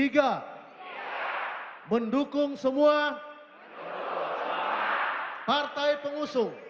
jakarta dua puluh satu mei dua ribu dua puluh tiga